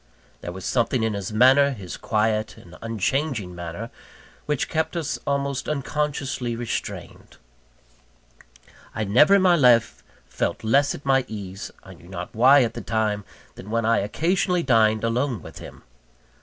There was something in his manner, his quiet and unchanging manner, which kept us almost unconsciously restrained. I never in my life felt less at my ease I knew not why at the time than when I occasionally dined alone with him.